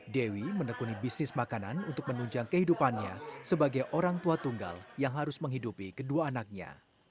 dewi menekuni bisnis makanan untuk menunjang kehidupannya sebagai orang tua tunggal yang harus menghidupi kedua anaknya